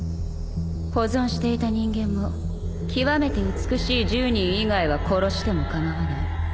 保存していた人間も極めて美しい１０人以外は殺しても構わない